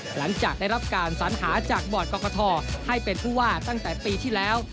หลังจากได้รับการสัญหาจากบอร์ดกรกฐให้เป็นผู้ว่าตั้งแต่ปีที่แล้ว